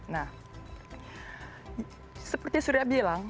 nah seperti surya bilang